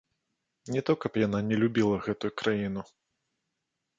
Не то, каб яна не любіла гэту краіну.